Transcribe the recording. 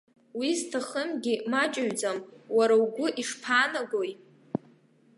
Уи зҭахымгьы маҷыҩӡам, уара угәы ишԥаанагои?